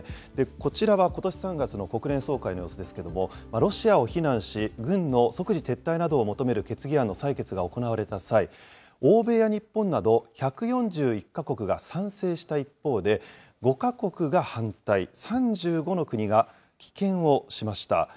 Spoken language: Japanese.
こちらはことし３月の国連総会の様子ですけれども、ロシアを非難し、軍の即時撤退などを求める決議案の採決が行われた際、欧米や日本など１４１か国が賛成した一方で、５か国が反対、３５の国が棄権をしました。